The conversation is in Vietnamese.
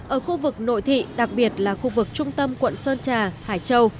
ở khu vực nội thị đặc biệt là khu vực trung tâm quận sơn trà hải châu